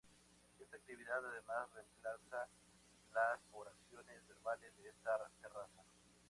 Esta actividad, además, remplaza las oraciones verbales de esta terraza.